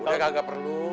udah kagak perlu